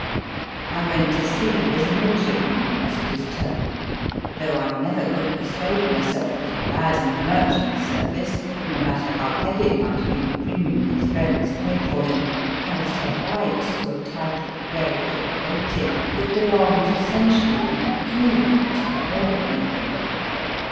I went to sea as a midshipman, as it is termed, though I never could persuade myself that a lad in the Merchant Service, no matter how heavy might be the premium his friends paid for him, has a right to a title of grade or rating that belongs essentially and peculiarly to the Royal Navy.